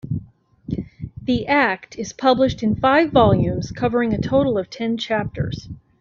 The Act is published in five volumes covering a total of ten chapters.